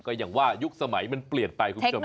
ก็อย่างว่ายุคสมัยมันเปลี่ยนไปคุณผู้ชม